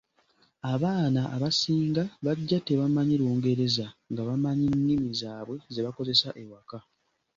Abaana abasinga bajja tebamanyi Lungereza nga bamanyi nnimi zaabwe ze bakozesa ewaka.